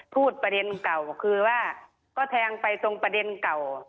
พูดประเด็นเก่าคือว่าก็แทงไปตรงประเด็นเก่า